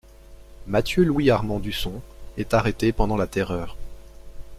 Mathieu Louis Armand d'Usson est arrêté pendant la Terreur.